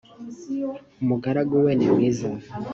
umugaragu we nimwiza